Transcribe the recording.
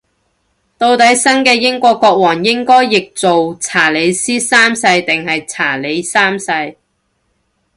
到底新嘅英國國王應該譯做查理斯三世定係查理三世